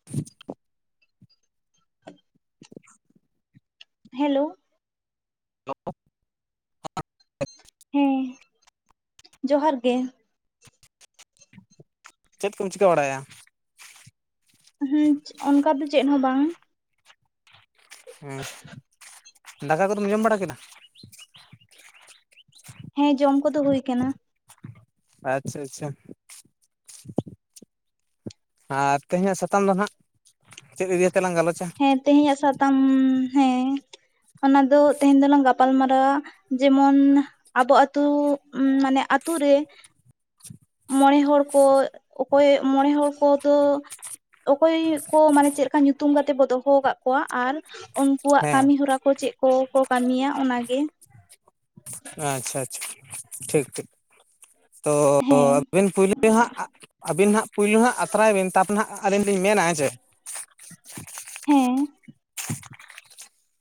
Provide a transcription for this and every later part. [inaudible] [inaudible] Hello [inaudible] ᱦᱮᱸ ᱡᱚᱦᱟᱨ ᱜᱮ ᱪᱮᱫ ᱠᱚᱢ ᱪᱤᱠᱟᱹ ᱵᱟᱲᱟᱭᱟ? ᱦᱮᱸ ᱚᱱᱠᱟ ᱫᱚ ᱪᱮᱫ ᱦᱚᱸ ᱵᱟᱝ। ᱦᱮᱸ, ᱫᱟᱠᱟ ᱠᱚᱫᱚᱢ ᱡᱚᱢ ᱵᱟᱲᱟ ᱠᱮᱫᱟ? ᱦᱮᱸ ᱡᱚᱢ ᱠᱚᱫᱚ ᱦᱩᱭ ᱠᱟᱱᱟ। ᱟᱪᱪᱷᱟ ᱟᱪᱪᱷᱟ ᱟᱨ ᱛᱮᱦᱮᱧᱟᱜ ᱥᱟᱛᱟᱢ ᱫᱚ ᱱᱟᱜ ᱪᱮᱫ ᱤᱫᱤᱭᱟᱹ ᱛᱮᱞᱟᱝ ᱜᱟᱞᱚᱪᱟ? ᱦᱮᱸ ᱛᱮᱦᱮᱧᱟᱜ ᱥᱟᱛᱟᱢ ᱦᱮᱸ ᱚᱱᱟ ᱫᱚ ᱛᱮᱦᱮᱧ ᱫᱚᱞᱟᱝ ᱜᱟᱯᱟᱞ ᱢᱟᱨᱟᱨᱟᱣᱟ ᱡᱮᱢᱚᱱ ᱟᱵᱚ ᱟᱛᱩ ᱢᱟᱱᱮ ᱟᱛᱩ ᱨᱮ ᱢᱚᱬᱮ ᱦᱚᱲ ᱠᱚ ᱚᱠᱚᱭ ᱢᱚᱬᱮ ᱦᱚᱲ ᱠᱚᱫᱚ ᱚᱠᱚᱭ ᱠᱚ ᱢᱟᱱᱮ ᱪᱮᱫ ᱞᱮᱠᱟ ᱧᱩᱛᱩᱢ ᱠᱟᱛᱮ ᱛᱮᱵᱚ ᱫᱚᱦᱚ ᱠᱟᱜ ᱠᱚᱣᱟ, ᱟᱨ ᱩᱱᱠᱩᱣᱟᱜ ᱦᱮᱸ ᱠᱟᱹᱢᱤ ᱦᱚᱨᱟ ᱠᱚ ᱪᱮᱫ ᱠᱚ ᱠᱚ ᱠᱟᱹᱢᱤᱭᱟ ᱚᱱᱟ ᱜᱮ, ᱟᱪᱪᱷᱟ ᱟᱪᱪᱷᱟ ᱴᱷᱤᱠ ᱴᱷᱤᱠ, ᱛᱚ ᱦᱮᱸ ᱟᱹᱵᱤᱱ ᱯᱳᱭᱞᱳ ᱦᱟᱸᱜ ᱟᱹᱵᱤᱱ ᱦᱟᱸᱜ ᱯᱳᱭᱞᱩ ᱦᱟᱸᱜ ᱟᱛᱨᱟᱭ ᱵᱤᱱ ᱛᱟᱯᱨᱮ ᱦᱟᱸᱜ ᱟᱹᱞᱤᱧ ᱞᱤᱧ ᱢᱮᱱᱟ ᱦᱮ ᱥᱮ᱾ ᱦᱮᱸ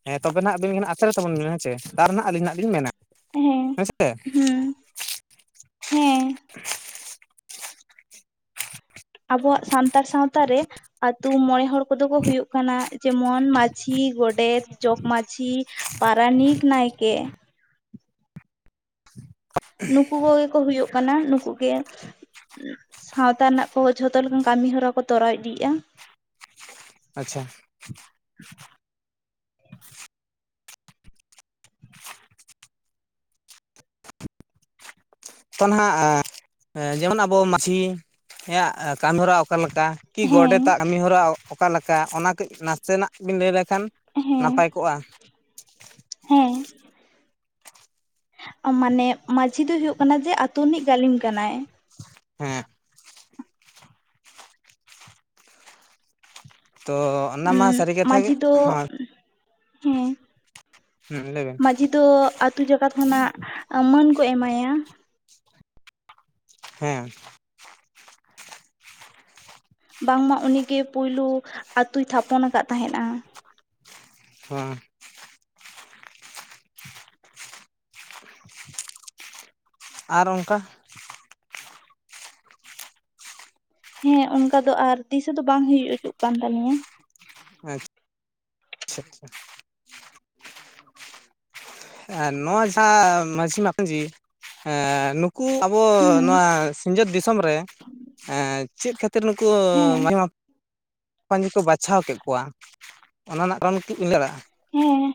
ᱦᱮᱸ ᱛᱚᱵᱮ ᱱᱟᱜ ᱟᱵᱤᱱᱜ ᱟᱛᱨᱮ ᱛᱟᱵᱚᱱ ᱵᱮᱤᱱ ᱦᱮᱸᱥᱮ ᱛᱟᱨ ᱱᱟᱸᱜ ᱟᱹᱞᱤᱧ ᱦᱟᱸᱜ ᱞᱤᱧ ᱢᱮᱱᱟ᱾ ᱦᱮᱸ ᱥᱮ ᱾ ᱦᱩᱸ ᱦᱮᱸ, [unintelligible] ᱟᱵᱚᱣᱟᱜ ᱥᱟᱱᱛᱟᱲ ᱥᱟᱶᱛᱟᱨᱮ ᱟᱛᱳ ᱢᱚᱬᱮ ᱦᱚᱲ ᱠᱚᱫᱚ ᱠᱚ ᱦᱩᱭᱩᱜ ᱠᱟᱱᱟ ᱡᱮᱢᱚᱱ ᱢᱟᱪᱷᱤ ᱜᱚᱰᱮᱛ ᱡᱚᱜ ᱢᱟᱪᱷᱤ ᱯᱟᱨᱟᱱᱤᱠ ᱱᱟᱭᱠᱮ ᱾ ᱱᱩᱠᱩ ᱠᱚᱜᱮ ᱠᱚ ᱦᱩᱭᱩᱜ ᱠᱟᱱᱟ ᱱᱩᱠᱩ ᱜᱮ ᱥᱟᱶᱛᱟ ᱨᱮᱱᱟᱜ ᱠᱚ ᱡᱷᱚᱛᱚ ᱞᱮᱠᱟᱱ ᱠᱟᱹᱢᱤ ᱦᱚᱨᱟ ᱠᱚ ᱛᱚᱨᱟᱣ ᱤᱫᱤᱭᱜᱼᱟ ᱾ ᱟᱪᱪᱷᱟ ᱾ ᱛᱚ ᱱᱟᱦᱟᱸᱜ ᱡᱮᱢᱚᱱ ᱟᱵᱚ ᱢᱟᱺᱡᱷᱤᱭᱟᱜ ᱠᱟᱹᱢᱤᱦᱚᱨᱟ ᱚᱠᱟᱮ ᱞᱮᱠᱟ? ᱠᱤ ᱦᱮᱸ ᱜᱚᱰᱮᱛᱟᱜ ᱠᱟᱹᱢᱤ ᱦᱚᱨᱟ ᱚᱠᱟ ᱞᱮᱠᱟ ᱚᱱᱟ ᱠᱟᱹᱡ ᱱᱟᱥᱮᱱᱟᱜ ᱵᱤᱱ ᱞᱟᱹᱭ ᱞᱮᱠᱷᱟᱱ ᱦᱮᱸ ᱱᱟᱯᱟᱭᱜ ᱠᱚᱜᱼᱟ? ᱦᱮᱸ ᱾ ᱢᱟᱱᱮ ᱢᱟᱺᱡᱷᱤ ᱫᱚᱭ ᱦᱩᱭᱩᱜ ᱠᱟᱱᱟ ᱡᱮ ᱟᱛᱩ ᱨᱤᱱᱤᱡ ᱜᱟᱹᱞᱤᱢ ᱠᱟᱱᱟᱭ ᱾ ᱦᱮᱸ ᱾ ᱛᱚ ᱚᱱᱟ ᱦᱩᱸ ᱢᱟ ᱥᱟᱹᱨᱤ ᱠᱟᱛᱷᱟ ᱜᱮ ᱢᱟᱹᱡᱷᱤ ᱫᱚ ᱦᱳᱭ ᱦᱮᱸ ᱦᱮᱸ ᱞᱟᱹᱭ ᱵᱮᱱ ᱢᱟᱡᱷᱤ ᱫᱚ ᱟᱛᱩ ᱡᱟᱠᱟᱛ ᱠᱷᱚᱱᱟᱜ ᱚᱢᱚᱱ ᱠᱚ ᱮᱢᱟᱭᱟ, ᱦᱮᱸ ᱾ ᱵᱟᱝᱢᱟ ᱩᱱᱤᱜᱮ ᱯᱩᱭᱞᱩ ᱟᱛᱩᱭ ᱛᱷᱟᱯᱚᱱ ᱟᱠᱟᱫ ᱛᱟᱦᱮᱸᱫ-ᱟ ᱾ [unintelligible] ᱟᱨ ᱚᱱᱠᱟ ᱦᱮᱸ ᱚᱱᱠᱟ ᱫᱚ ᱟᱨ ᱫᱤᱥᱟᱹ ᱦᱚᱸ ᱫᱚ ᱵᱟᱝ ᱦᱩᱭ ᱦᱚᱪᱩᱜ ᱠᱟᱱ ᱛᱟᱞᱤᱧᱟ ᱾ ᱟᱪᱪᱷᱟ ᱟᱪᱪᱷᱟ ᱟᱪᱪᱷᱟ ᱾ ᱱᱚᱣᱟ ᱡᱟᱦᱟᱸ ᱢᱟᱡᱷᱤ ᱢᱟᱡᱷᱤ ᱮ ᱩᱱᱠᱩ ᱟᱵᱚ ᱦᱩᱸ ᱱᱚᱣᱟ ᱥᱤᱧᱚᱛ ᱫᱤᱥᱚᱢ ᱨᱮ ᱮᱸ ᱪᱮᱫ ᱠᱷᱟᱹᱛᱤᱨ ᱱᱩᱠᱩ ᱦᱮᱸ [inaudible] ᱠᱚ ᱵᱟᱪᱷᱟᱣ ᱠᱮᱜ ᱠᱚᱣᱟ ᱚᱱᱟ ᱨᱮᱱᱟᱜ ᱠᱟᱨᱚᱱ ᱠᱤ ᱵᱤᱱ ᱞᱟᱭ ᱫᱟᱲᱮᱭᱟᱜᱼᱟ ᱾ ᱦᱮᱸ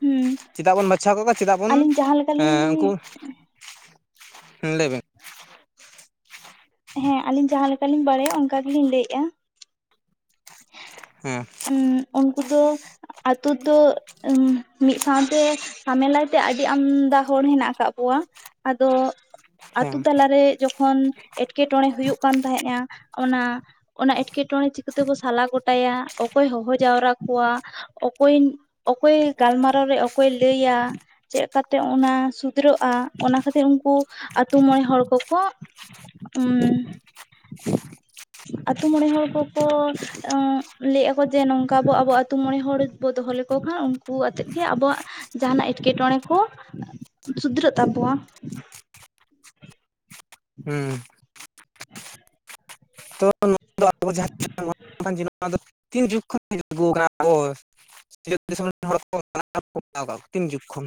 ᱦᱩᱸ ᱾ ᱪᱮᱫᱟᱜ ᱵᱚᱱ ᱵᱟᱪᱷᱟᱣ ᱠᱚᱟᱜᱣᱟ ᱪᱮᱫᱟᱜ ᱵᱚᱱ ᱞᱮᱠᱟᱞᱤᱧ ᱩᱱᱠᱩ ᱞᱟᱹᱭᱵᱮᱱ, ᱦᱮᱸ ᱟᱞᱤᱧ ᱡᱟᱸᱦᱟ ᱞᱮᱠᱟᱞᱤᱧ ᱵᱟᱲᱟᱭᱟ ᱚᱱᱠᱟ ᱜᱮᱞᱤᱧ ᱞᱟᱹᱭᱮᱜᱼᱟ ᱾ ᱦᱮᱸ ᱩᱱᱠᱩ ᱫᱚ ᱟᱛᱳ ᱫᱚ ᱢᱤᱫ ᱥᱟᱶᱛᱮ ᱟᱢᱮᱞᱟᱭ ᱛᱮ ᱟᱹᱰᱤ ᱟᱢᱫᱟ ᱦᱚᱲ ᱦᱮᱱᱟᱜ ᱠᱟᱜ ᱠᱚᱣᱟ, ᱟᱫᱚ ᱟᱛᱳ ᱦᱮᱸ ᱛᱟᱞᱟᱨᱮ ᱡᱚᱠᱷᱚᱱ ᱮᱴᱠᱮᱴᱚᱬᱮ ᱦᱩᱭᱩᱜ ᱠᱟᱱ ᱛᱟᱦᱮᱸᱼᱟ ᱚᱱᱟ ᱚᱱᱟ ᱮᱸᱴᱠᱮᱴᱚᱬᱮ ᱪᱤᱠᱟᱹᱛᱮᱵᱚ ᱥᱟᱞᱟ ᱜᱚᱴᱟᱭᱟ ᱚᱠᱚᱭ ᱦᱚᱦᱚ ᱡᱟᱣᱨᱟ ᱠᱚᱣᱟ ᱚᱠᱚᱭ ᱚᱠᱚᱭ ᱜᱟᱞᱢᱟᱨᱟᱣ ᱨᱮ ᱚᱠᱚᱭᱮ ᱞᱟᱹᱭᱟ, ᱪᱮᱫ ᱠᱟᱛᱮ ᱚᱱᱟ ᱥᱩᱫᱷᱨᱟᱹᱜᱼᱟ ᱚᱱᱟ ᱠᱷᱟᱹᱛᱤᱨ ᱩᱱᱠᱩ ᱟᱛᱳ ᱢᱚᱬᱮ ᱦᱚᱲ ᱠᱚᱠᱚ ᱩᱸ ᱟᱛᱩ ᱢᱚᱬᱮ ᱦᱚᱲ ᱠᱚᱠᱚ ᱟᱸ ᱞᱟᱹᱭᱮᱜ ᱟᱠᱚ ᱡᱮ ᱱᱚᱝᱠᱟ ᱵᱚ ᱟᱵᱚ ᱟᱛᱳ ᱢᱚᱬᱮ ᱦᱚᱲ ᱵᱚ ᱫᱚᱦᱚ ᱞᱮᱠᱚ ᱠᱷᱟᱱ ᱩᱱᱠᱩ ᱟᱛᱮᱫ ᱜᱮ ᱟᱵᱚᱣᱟᱜ ᱡᱟᱦᱟᱱᱟᱜ ᱮᱴᱠᱮᱴᱚᱸᱬᱮ ᱠᱚ ᱥᱩᱫᱷᱨᱟᱹᱜ ᱛᱟᱵᱚᱣᱟ ᱾ ᱦᱩᱸ ᱾ ᱛᱚ ᱱᱩᱠᱩ ᱫᱚ ᱟᱠᱚ ᱡᱟᱦᱟᱸ [unintelligible] [inaudible] ᱱᱚᱣᱟ ᱫᱚ ᱛᱤᱱ ᱡᱩᱜᱽ ᱠᱷᱚᱱ [inaudible] ᱟᱹᱜᱩ ᱟᱠᱟᱱᱟ ᱦᱳᱭ ᱾ ᱥᱤᱭᱟᱹᱛ ᱫᱤᱥᱚᱢ ᱨᱮᱱ ᱦᱚᱲ ᱠᱚ [unintelligible] ᱦᱟᱛᱟᱣ ᱠᱟᱜ ᱠᱚ ᱛᱤᱱ ᱡᱩᱜᱽ ᱠᱷᱚᱱ?